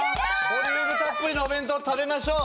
ボリュームたっぷりのお弁当食べましょう。